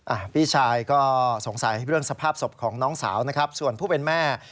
อ่ะพี่ชายก็สงสัยเรื่องสภาพศพของน้องสาวนะครับส่วนผู้เป็นแม่